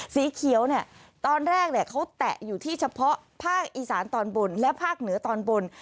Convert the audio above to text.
สีเขียวเนี่ยตอนแรกเขาแตะอยู่ที่เฉพาะภาคอีสานตอนบนและภาคเหนือตอนบน